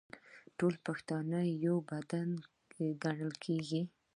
ټول پښتانه یو بدن ګڼل کیږي.